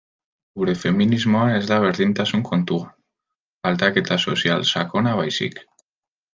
Gure feminismoa ez da berdintasun kontua, aldaketa sozial sakona baizik.